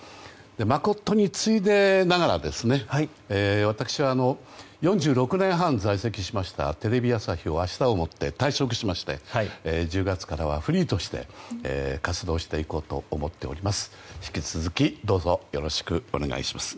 まことについでながら、私は４６年半在籍しましたテレビ朝日を明日をもって退職しまして１０月からはフリーとして活動していこうと思っております。